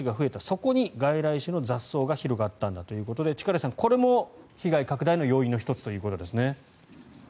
そこに外来種の雑草が広がったんだということで力石さんこれも被害拡大の要因の１つということですね。